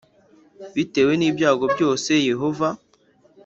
bitewe n ibyago byose Yehova